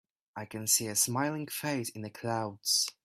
I can see a smiling face in the clouds.